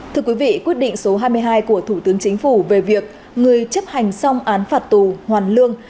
thưa quý vị quyết định số hai mươi hai của thủ tướng chính phủ về việc người chấp hành xong án phạt tù hoàn lương